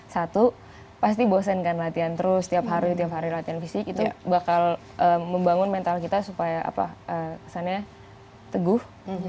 satu pasti bosan kan latihan terus tiap hari tiap hari latihan fisik itu bakal membangun mental kita supaya kesannya teguh